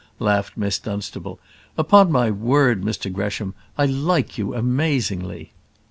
laughed Miss Dunstable. "Upon my word, Mr Gresham, I like you amazingly.